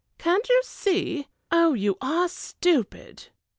Can't you see? Oh, you are stupid!"